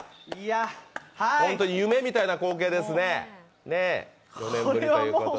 本当に夢みたいな光景ですね、４年ぶりということで。